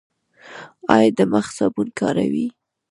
ایا د مخ صابون کاروئ؟